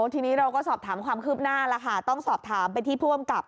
ทีนี้เราก็สอบถามความคืบหน้าแล้วค่ะต้องสอบถามไปที่ผู้อำกับ